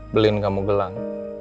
beliin kamu gelang